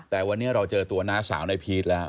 แต่วันนี้เราเจอตัวน้าสาวในพีชแล้ว